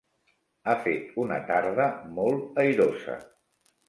Ha fet una tarda molt airosa.